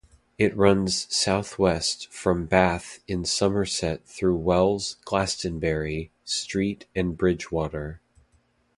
It runs south-west from Bath in Somerset through Wells, Glastonbury, Street and Bridgwater.